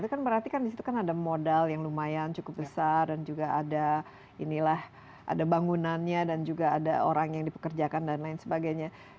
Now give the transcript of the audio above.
itu kan berarti kan disitu kan ada modal yang lumayan cukup besar dan juga ada inilah ada bangunannya dan juga ada orang yang dipekerjakan dan lain sebagainya